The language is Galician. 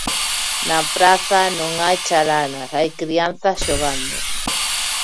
Na praza non hai chalanas, hai crianzas xogando.